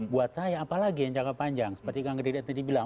buat saya apalagi yang jangka panjang seperti kang gerida tadi bilang